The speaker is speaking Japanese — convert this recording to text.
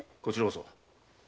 こちらこそ。